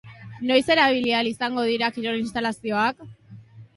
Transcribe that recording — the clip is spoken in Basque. Noiz erabili ahal izango dira kirol instalazioak?